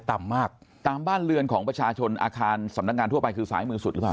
ต่ำมากตามบ้านเรือนของประชาชนอาคารสำนักงานทั่วไปคือซ้ายมือสุดหรือเปล่า